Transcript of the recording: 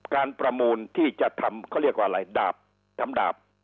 การประมูลที่จะทำเขาเรียกว่าอะไรดาบทำดาบ